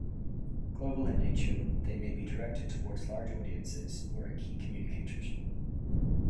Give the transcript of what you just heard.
Global in nature, they may be directed toward large audiences or at key communicators.